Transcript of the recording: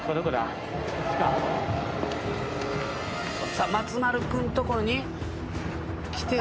さあ松丸君ところに来てるか？